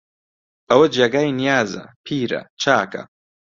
ئەوە جێگای نیازە، پیرە، چاکە